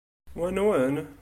Wa nwen?